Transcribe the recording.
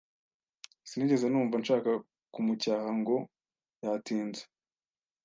Sinigeze numva nshaka kumucyaha ngo yatinze .